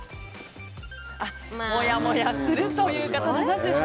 もやもやするという方、７８％。